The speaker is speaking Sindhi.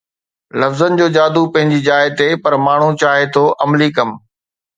لفظن جو جادو پنهنجي جاءِ تي پر ماڻهو چاهي ٿو عملي ڪم